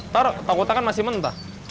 taruh takutah kan masih mentah